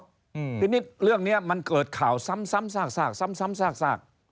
เพราะฉะนั้นเรื่องนี้มันเกิดข่าวซ้ำซาก